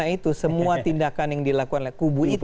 karena itu semua tindakan yang dilakukan oleh kubu itu